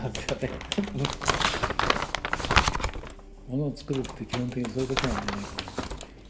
ものを作るって基本的にそういうことなんじゃないかなっていう。